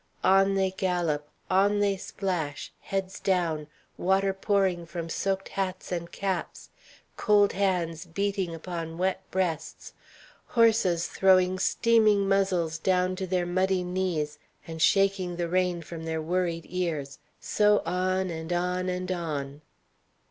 On they gallop; on they splash; heads down; water pouring from soaked hats and caps; cold hands beating upon wet breasts; horses throwing steaming muzzles down to their muddy knees, and shaking the rain from their worried ears; so on and on and on.